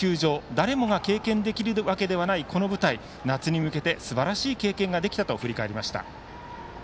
誰もが経験できるわけではないこの舞台、夏に向けてすばらしい経験ができたと振り返りました。